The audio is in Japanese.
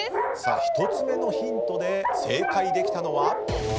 １つ目のヒントで正解できたのは？